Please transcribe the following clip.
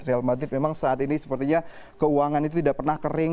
real madrid memang saat ini sepertinya keuangan itu tidak pernah kering